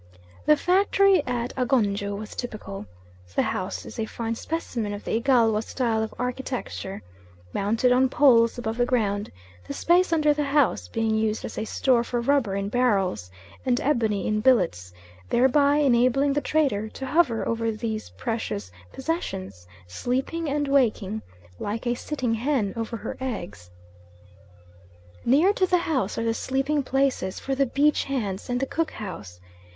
The factory at Agonjo was typical; the house is a fine specimen of the Igalwa style of architecture; mounted on poles above the ground; the space under the house being used as a store for rubber in barrels, and ebony in billets; thereby enabling the trader to hover over these precious possessions, sleeping and waking, like a sitting hen over her eggs. Near to the house are the sleeping places for the beach hands, and the cook house.